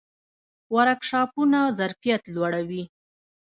ورکشاپونه ظرفیت لوړوي